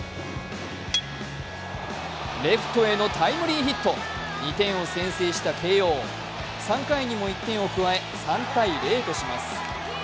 レフトへのタイムリーヒット、２点を先制した慶応、３回にも１点を加え３−０とします。